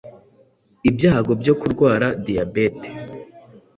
ibyago byo kurwara diyabete